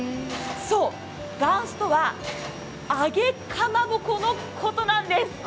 そう、がんすとは揚げかまぼこのことなんです。